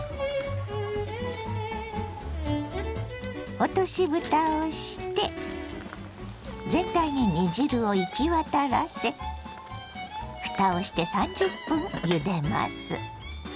落としぶたをして全体に煮汁を行き渡らせふたをして３０分ゆでます。